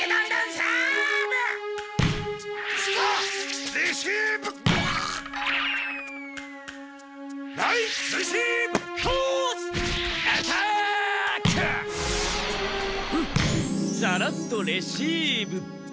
サラッとレシーブ。